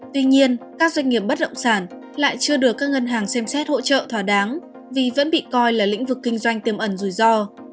tuy nhiên các doanh nghiệp bất động sản lại chưa được các ngân hàng xem xét hỗ trợ thỏa đáng vì vẫn bị coi là lĩnh vực kinh doanh tiềm ẩn rủi ro